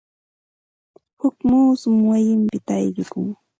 Huk muusum wayinpita ayqikun.